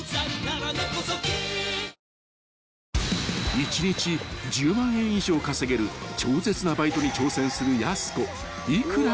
［１日１０万円以上稼げる超絶なバイトに挑戦するやす子］